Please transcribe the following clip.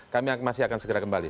kami masih akan segera kembali